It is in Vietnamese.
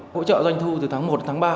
hỗ trợ doanh thu từ tháng một đến tháng ba